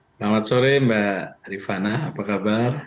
selamat sore mbak rifana apa kabar